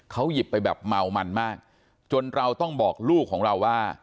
เขาหยิบไปแบบเมามันมากจนเราต้องบอกลูกของเราว่า